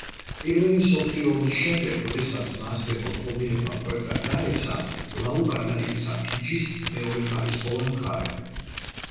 პირველი მსოფლიო ომის შემდეგ, როდესაც მასზე მოთხოვნილება მკვეთრად დაეცა, ლაუ გადაიქცა ფიჯის მეორეხარისხოვან მხარედ.